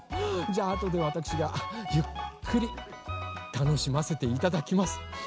じゃああとでわたくしがゆっくりたのしませていただきます。